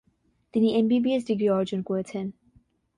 তিনি MBBS degree অর্জন করেছেন।